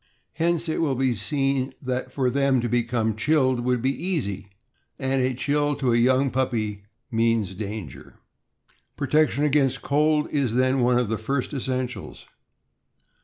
Hence it will be seen that for them to become chilled would be easy; and a chill to a young puppy means danger. Protection against cold is, then, one of the first essen ti^ls.